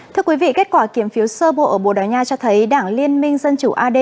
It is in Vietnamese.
thưa quý vị kết quả kiểm phiếu sơ bộ ở bồ đào nha cho thấy đảng liên minh dân chủ ad